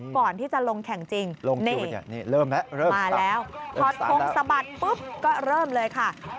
ก่อนที่จะลงแข่งจริงนี่มาแล้วถอดโพงสะบัดปุ๊บก็เริ่มเลยค่ะเริ่มสตาร์ทแล้ว